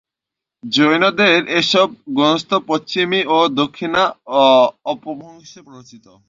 জৈনদের এসব গ্রন্থ পশ্চিমী ও দক্ষিণী অপভ্রংশে রচিত।